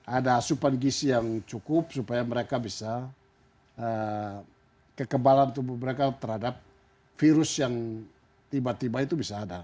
ada asupan gisi yang cukup supaya mereka bisa kekebalan tubuh mereka terhadap virus yang tiba tiba itu bisa ada